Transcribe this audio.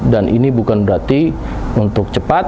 dan ini bukan berarti untuk cepat